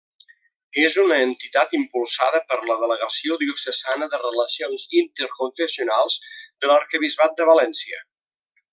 És una entitat impulsada per la delegació diocesana de Relacions Interconfessionals de l'Arquebisbat de València.